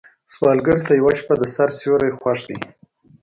سوالګر ته یوه شپه د سر سیوری خوښ دی